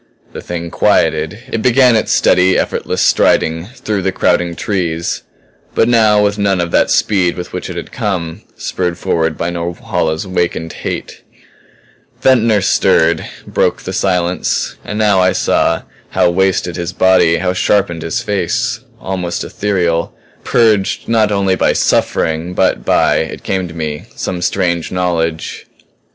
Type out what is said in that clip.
The Thing quieted; it began its steady, effortless striding through the crowding trees but now with none of that speed with which it had come, spurred forward by Norhala's awakened hate. Ventnor stirred; broke the silence. And now I saw how wasted was his body, how sharpened his face; almost ethereal; purged not only by suffering but by, it came to me, some strange knowledge.